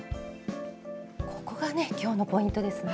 ここがね今日のポイントですね。